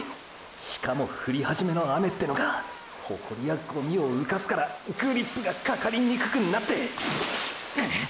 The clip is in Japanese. しかも降り始めの雨ってのがホコリやゴミを浮かすからグリップがかかりにくくなってくっ！！